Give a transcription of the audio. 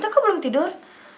tante kau belum tidur